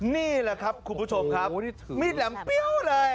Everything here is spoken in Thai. นี่แหละครับคุณผู้ชมครับมีดแหลมเปรี้ยวเลย